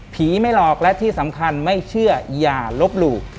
ไม่หลอกและที่สำคัญไม่เชื่ออย่าลบหลู่